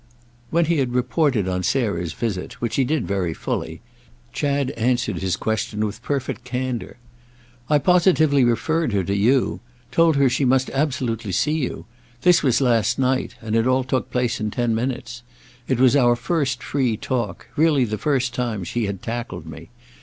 When he had reported on Sarah's visit, which he did very fully, Chad answered his question with perfect candour. "I positively referred her to you—told her she must absolutely see you. This was last night, and it all took place in ten minutes. It was our first free talk—really the first time she had tackled me.